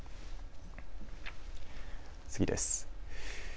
次です。